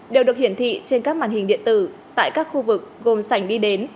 đều được hiển thị trên các màn hình điện tử tại các khu vực gồm sảnh đi đến